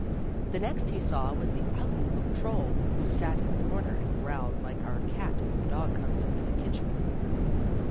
The next he saw was the ugly little troll, who sat in the comer and growled like our cat when the dog comes into the kitchen.